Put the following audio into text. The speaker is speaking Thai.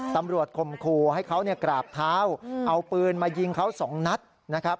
ตำรวจคมครูให้เค้าเนี่ยกราบเท้าเอาปืนมายิงเค้าสองนัดนะครับ